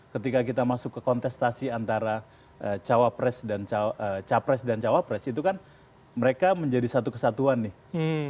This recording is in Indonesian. ketika kita masuk ke kontestasi antara cawapres dan cawapres dan cawapres itu kan mereka menjadi satu kesatuan yang berbeda